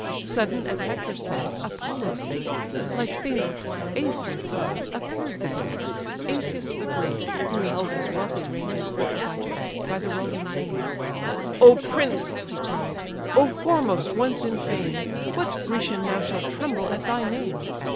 Sudden at Hector's side Apollo stood, Like Phaenops, Asius' son, appear'd the god; (Asius the great, who held his wealthy reign In fair Abydos, by the rolling main.) "Oh prince! (he cried) Oh foremost once in fame! What Grecian now shall tremble at thy name?